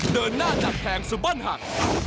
เดินหน้าดับแผงสบั้นหัก